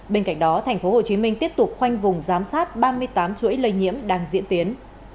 bên cạnh đó tp hcm tiếp tục khoanh vùng giám sát ba mươi tám chuỗi lây nhiễm đang diễn tiến